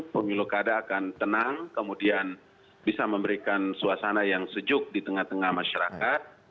pemilu kada akan tenang kemudian bisa memberikan suasana yang sejuk di tengah tengah masyarakat